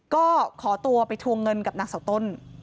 ก็ขอตัวไปทวงเงินกับนางเสาต้น